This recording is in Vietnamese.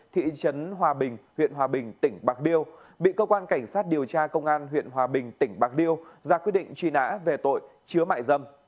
thị trấn hòa bình huyện hòa bình tỉnh bạc liêu bị cơ quan cảnh sát điều tra công an huyện hòa bình tỉnh bạc liêu ra quyết định truy nã về tội chứa mại dâm